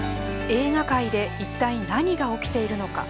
映画界でいったい何が起きているのか。